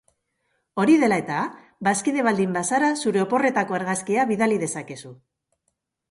Hori dela eta, bazkide baldin bazara, zure oporretako argazkia bidali dezakezu.